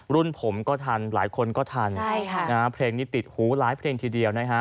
รุ่นผมก็ทันหลายคนก็ทันใช่ค่ะอ่าเพลงนี้ติดหูหลายเพลงทีเดียวนะฮะ